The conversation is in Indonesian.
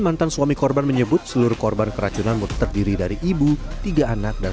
mantan suami korban menyebut seluruh korban keracunan terdiri dari ibu tiga anak dan